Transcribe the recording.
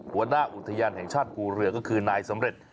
หัวหน้าอุทยานแห่งชาติภูเรือก็คือนายสำเร็จ